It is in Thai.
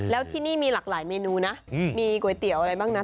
แล้วที่นี่มีหลากหลายเมนูนะมีก๋วยเตี๋ยวอะไรบ้างนะ